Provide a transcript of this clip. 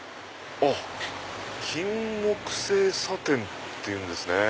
「金木犀茶店」っていうんですね。